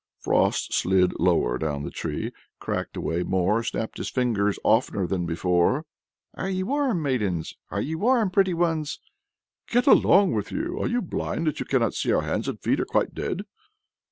Frost slid lower down the tree, cracked away more, snapped his fingers oftener than before. "Are ye warm, maidens? Are ye warm, pretty ones?" "Get along with you! Are you blind that you can't see our hands and feet are quite dead?"